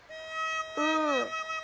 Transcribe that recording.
うん。